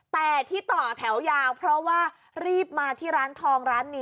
แต่ที่ต่อแถวยาวเพราะว่ารีบมาที่ร้านทองร้านนี้